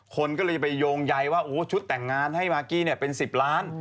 คนก็เลยไปโยงใยว่าชุดแต่งงานให้มากกี้เป็น๑๐ล้าน